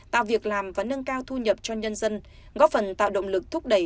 tạo việc làm và nâng cao thu nhập cho nhân dân góp phần tạo động lực thúc đẩy